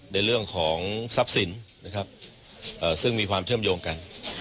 ในเรื่องของทรัพย์สินนะครับซึ่งมีความเชื่อมโยงกัน